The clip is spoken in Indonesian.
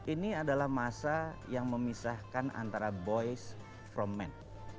ini adalah masa yang memisahkan antara boys from men